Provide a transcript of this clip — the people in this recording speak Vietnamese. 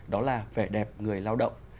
đó là vẻ đẹp người lao động